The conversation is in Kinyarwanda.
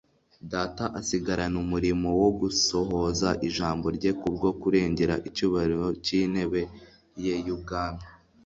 Data asigarana umurimo wo gusohoza ijambo rye kubwo kurengera icyubahiro cyintebe ye yubwami